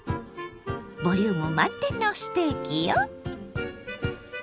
ボリューム満点のステーキよ。